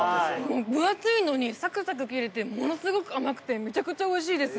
分厚いのにサクサク切れてものすごく甘くてめちゃくちゃおいしいです。